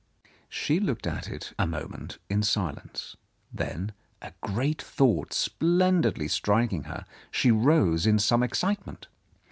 She looked at it a moment in silence; then, a great thought splendidly striking her, she rose in some excitement.